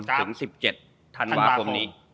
ถึง๑๗ธันวาคมนี้